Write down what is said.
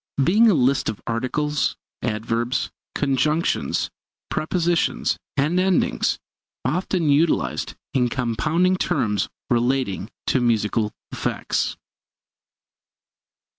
Being a list of articles, adverbs, conjunctions, prepositions, and endings, often utilized in compounding terms relating to musical effects.